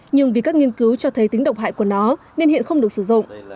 nhưng vì các nghiên cứu cho thấy tính độc hại của nó nên hiện không được sử dụng